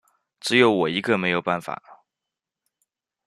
只有我一个没有办法